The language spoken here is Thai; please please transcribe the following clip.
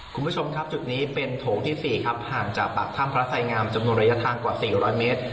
คุณผู้ชมครับจุดนี้เป็นโถงที่๔ครับห่างจากปากถ้ำพระไสงามจำนวนระยะทางกว่า๔๐๐เมตร